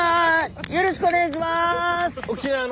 よろしくお願いします！